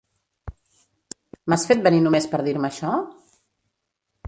M'has fet venir només per dir-me això?